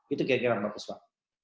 itu kira kira mbak puspa